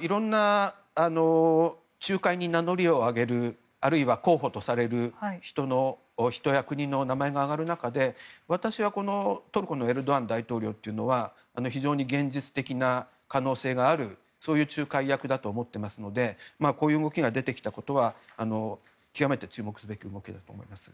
いろんな仲介に名乗りを上げるあるいは候補とされる人や国の名前が挙がる中で私はトルコのエルドアン大統領は非常に現実的な可能性があるというそういう仲介役だと思っておりますのでこういう動きが出てきたことは極めて注目すべきだと思います。